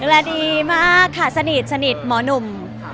ดูแลดีมากค่ะเสนอสนิทหมาวนุ่ม